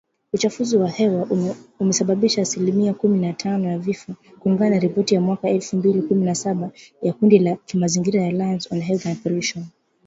Uchafuzi wa hewa umesababisha asilimia kumi na tano ya vifo, kulingana na ripoti ya mwaka elfu mbili kumi na saba ya kundi la kimazingira la Alliance on Health and Pollution